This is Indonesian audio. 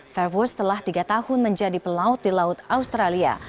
vervous telah tiga tahun menjadi pelaut di laut australia